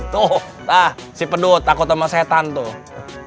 tuh si pedut takut sama setan tuh